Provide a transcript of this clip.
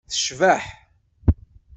Tecbeḥ.